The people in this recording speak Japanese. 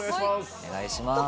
お願いします。